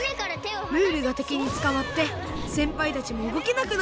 ムールがてきにつかまってせんぱいたちもうごけなくなっちゃった！